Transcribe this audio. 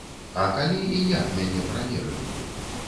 А калі і як мяне праверылі?